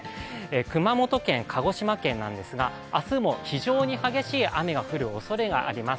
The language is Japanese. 熊本県、鹿児島県なんですが、明日も非常に激しい雨が降るおそれがあります。